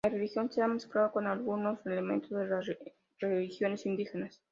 La religión se ha mezclado con algunos elementos de las religiones indígenas.